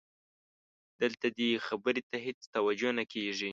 دلته دې خبرې ته هېڅ توجه نه کېږي.